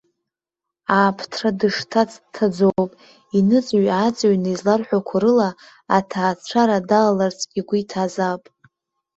Ааԥҭра дышҭац дҭаӡоуп, иныҵыҩ-ааҵыҩны изларҳәақәо рыла, аҭаацәара далаларц игәы иҭазаап.